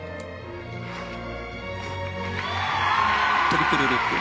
トリプルループ。